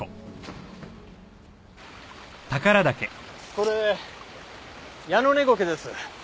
これヤノネゴケです。